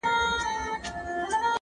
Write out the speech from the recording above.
نجلۍ نه وه شاه پري وه ګلدسته وه؛